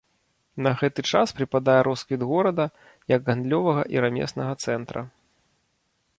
На гэты час прыпадае росквіт горада як гандлёвага і рамеснага цэнтра.